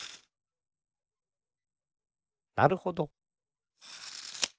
なるほど。